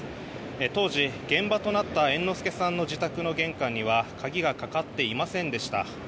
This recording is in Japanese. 当時、現場となった猿之助さんの自宅の玄関には鍵はかかっていませんでした。